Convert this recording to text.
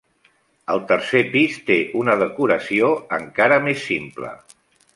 El tercer pis té una decoració encara més simple.